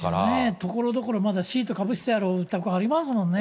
ところどころまだシートかぶしてるお宅もありますもんね。